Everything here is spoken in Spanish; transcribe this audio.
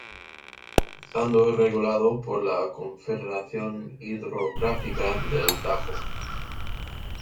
Estando regulado por la Confederación Hidrográfica del Tajo.